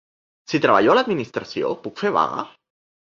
Si treballo a l'administració puc fer vaga?